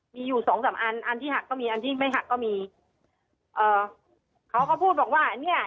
มีอยู่สองสามอันอันที่หักก็มีอันที่ไม่หักก็มีเอ่อเขาก็พูดบอกว่าอันเนี้ย